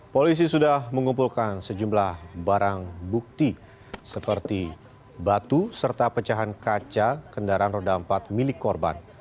polisi sudah mengumpulkan sejumlah barang bukti seperti batu serta pecahan kaca kendaraan roda empat milik korban